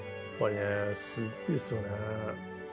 すごいですよね。